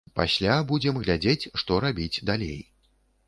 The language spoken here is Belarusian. Пасля будзем глядзець, што рабіць далей.